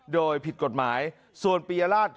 โดยผิดกฎหมายส่วนปียราช